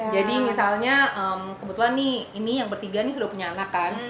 jadi misalnya kebetulan ini yang bertiga ini sudah punya anak kan